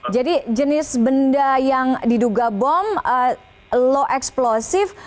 jadi jenis benda yang diduga bom lo eksplosif